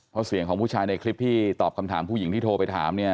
เพราะเสียงของผู้ชายในคลิปที่ตอบคำถามผู้หญิงที่โทรไปถามเนี่ย